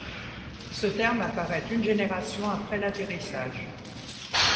Ce terme apparaît une génération après l’atterrissage.